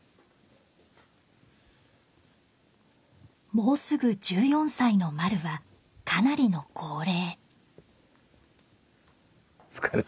もうすぐ１４歳のまるはかなりの高齢。